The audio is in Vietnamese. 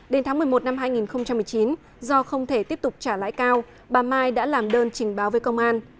đến tháng một mươi một năm hai nghìn một mươi chín do không thể tiếp tục trả lãi cao bà mai đã làm đơn trình báo với công an